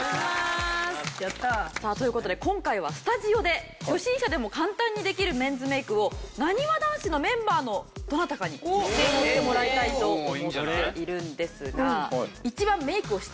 さあという事で今回はスタジオで初心者でも簡単にできるメンズメイクをなにわ男子のメンバーのどなたかに実践をしてもらいたいと思っているんですが。